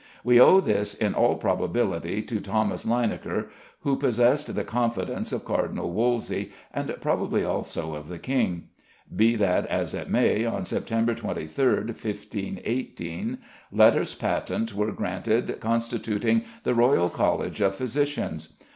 We owe this in all probability to Thomas Linacre, who possessed the confidence of Cardinal Wolsey, and probably also of the king. Be that as it may, on September 23rd, 1518, letters patent were granted constituting the Royal College of Physicians.